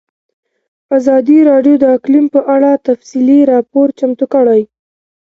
ازادي راډیو د اقلیم په اړه تفصیلي راپور چمتو کړی.